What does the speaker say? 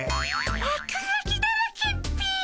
落書きだらけっピ。